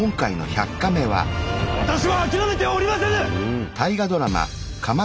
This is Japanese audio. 私は諦めてはおりませぬ！